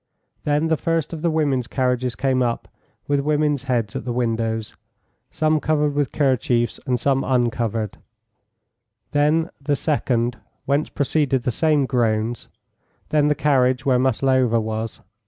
Then the first of the women's carriages came up, with women's heads at the windows, some covered with kerchiefs and some uncovered, then the second, whence proceeded the same groans, then the carriage where Maslova was.